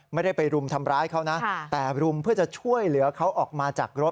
ไม่ได้ไปรุมทำร้ายเขานะแต่รุมเพื่อจะช่วยเหลือเขาออกมาจากรถ